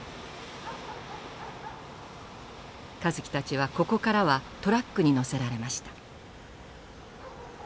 香月たちはここからはトラックに乗せられました。